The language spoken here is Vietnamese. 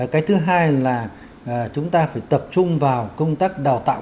cái thứ hai là chúng ta phải tập trung vào công tác